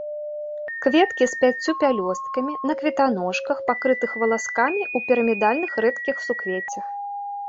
Кветкі з пяццю пялёсткамі, на кветаножках, пакрытых валаскамі, у пірамідальных рэдкіх суквеццях.